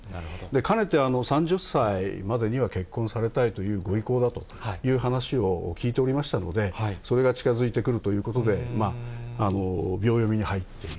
かねて３０歳までには結婚されたいというご意向だという話を聞いておりましたので、それが近づいてくるということで、秒読みに入っている。